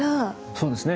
そうですね。